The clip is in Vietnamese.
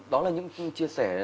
đó là những chia sẻ